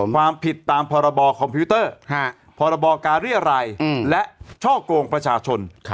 ความผิดตามพรบคอมพิวเตอร์พรบการเรียรัยและช่อกงประชาชน